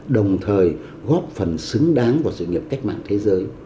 đồng thời góp phần xứng đáng vào sự nghiệp cách mạng thế giới